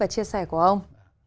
và chia sẻ của ông